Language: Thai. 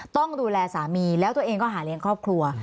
ต้องดูแลสามีแล้วตัวเองก็หาเลี้ยงครอบครัว